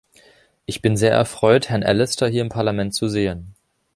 Ich bin sehr erfreut, Herrn Allister hier im Parlament zu sehen.